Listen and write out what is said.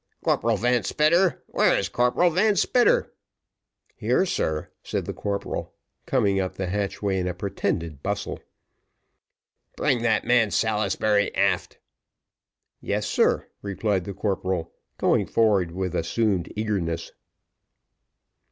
"Corporal Van Spitter where is Corporal Van Spitter?" "Here, sir," said the corporal, coming up the hatchway in a pretended bustle. "Bring that man, Salisbury, aft." "Yes, sir," replied the corporal, going forward with assumed eagerness.